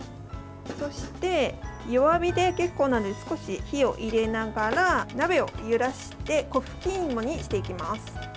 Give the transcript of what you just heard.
そして弱火で結構なんで少し火を入れながら鍋を揺らして粉ふき芋にしていきます。